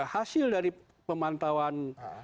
hasil dari pemantauan